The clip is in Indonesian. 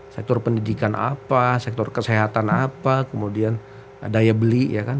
sektor pendidikan apa sektor kesehatan apa kemudian daya beli ya kan